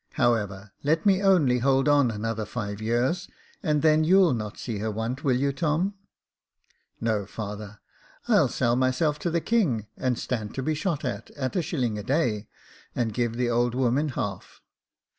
However, let me only hold on J.F. M 178 Jacob Faithful another five years, and then you'll not see her want ; will you, Tom ?"" No, father ; I'll sell myself to the king, and stand to be shot at, at a shilling a day, and give the old woman half."